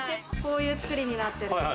こういう作りになっている。